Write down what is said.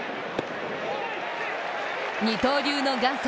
二刀流の元祖